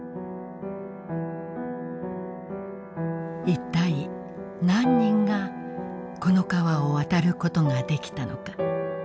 一体何人がこの川を渡る事ができたのか。